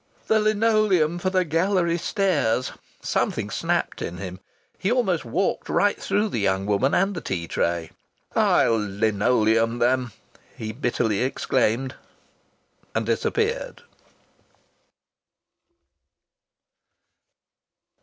The linoleum for the gallery stairs! Something snapped in him. He almost walked right through the young woman and the tea tray. "I'll linoleum them!" he bitterly exclaimed, and disappeared.